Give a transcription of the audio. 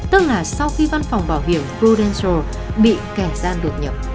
tức là sau khi văn phòng bảo hiểm prudential bị kẻ gian được nhập